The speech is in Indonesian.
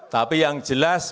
tapi yang jelas